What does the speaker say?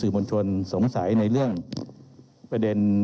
เรามีการปิดบันทึกจับกลุ่มเขาหรือหลังเกิดเหตุแล้วเนี่ย